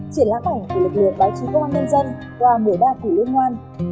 triển lãm ảnh của lực lượng báo chí công an nhân dân qua mười đa cử liên hoàn